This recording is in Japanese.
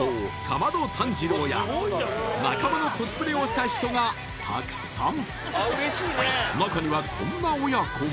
竈門炭治郎や仲間のコスプレをした人がたくさん！